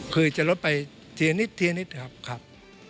คือจะลดไปเทียนิดครับ